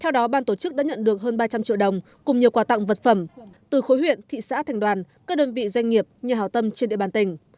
theo đó ban tổ chức đã nhận được hơn ba trăm linh triệu đồng cùng nhiều quà tặng vật phẩm từ khối huyện thị xã thành đoàn các đơn vị doanh nghiệp nhà hào tâm trên địa bàn tỉnh